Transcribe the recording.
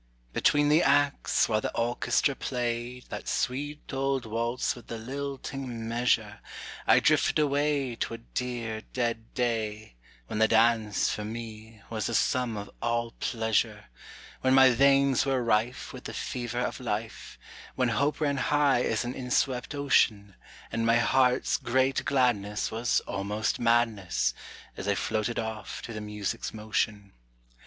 Between the acts while the orchestra played That sweet old waltz with the lilting measure, I drifted away to a dear dead day, When the dance, for me, was the sum of all pleasure; When my veins were rife with the fever of life, When hope ran high as an inswept ocean, And my heart's great gladness was almost madness, As I floated off to the music's motion.